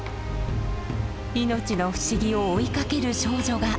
命の不思議を追いかける少女が。